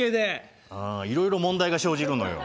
あいろいろ問題が生じるのよ。